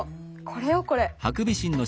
これよこれ。